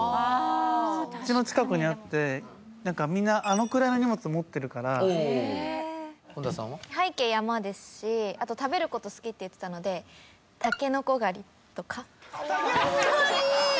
うちの近くにあって何かみんなあのくらいの荷物持ってるから本田さんは？背景山ですしあと食べること好きって言ってたのでタケノコ狩りとかかわいい！